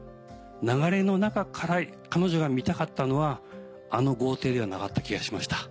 流れの中から彼女が見たかったのはあの豪邸ではなかった気がしました。